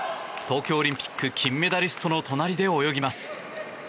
東京オリンピック金メダリストの隣で泳ぎます。